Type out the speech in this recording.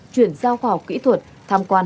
chuyển giao khoa học kỹ thuật tham quan